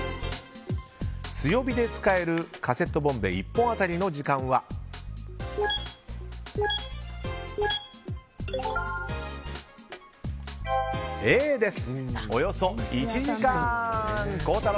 強火で使えるカセットボンベ１本辺りの時間はＡ、およそ１時間でした。